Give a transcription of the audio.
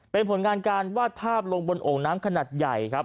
เป็นผลงานการวาดภาพลงบนโอ่งน้ำขนาดใหญ่ครับ